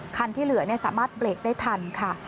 คันที่เหลือสามารถเบรกได้ทันค่ะ